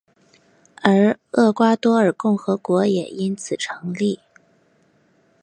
而厄瓜多尔共和国也因此成立。